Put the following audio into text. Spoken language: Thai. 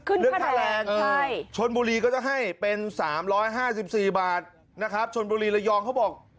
เรื่องค่าแรงชนบุรีก็จะให้เป็น๓๕๔บาทนะครับชนบุรีระยองเขาบอก